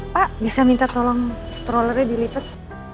pak bisa minta tolong strollernya dilipat